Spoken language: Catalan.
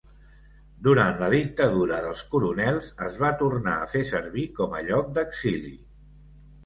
Durant la Dictadura dels Coronels es va tornar a fer servir com a lloc d'exili.